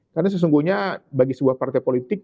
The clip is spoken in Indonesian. karena sesungguhnya bagi sebuah partai politik